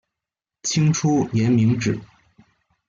清初沿明制。